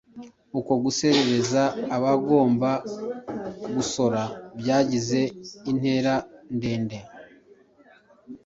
Uko guserereza abagomba gusora byagize intera ndende